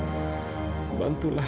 menyolong dan balai